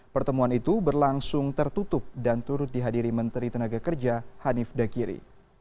pertemuan itu berlangsung tertutup dan turut dihadiri menteri tenaga kerja hanif dakiri